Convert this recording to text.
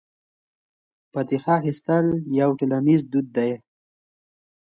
فاتحه اخیستل یو ټولنیز دود دی.